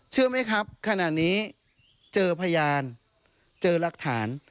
เชื่อไหมครับขณะนี้เจอพยานเจอรักฐาน